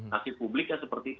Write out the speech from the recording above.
hasil publik ya seperti itu